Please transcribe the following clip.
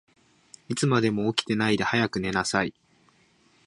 いつまでも起きてないで、早く寝なさい。